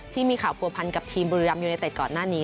ที่มีข่าวผัวพันกับทีมบุรีรัมยูเนเต็ดก่อนหน้านี้